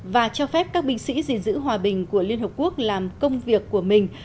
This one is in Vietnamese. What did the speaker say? và cho phép các binh sĩ gìn giữ hòa bình của liên hợp quốc làm công việc của mình